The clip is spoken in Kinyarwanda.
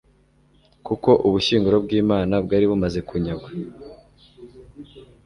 kuko ubushyinguro bw'imana bwari bumaze kunyagwa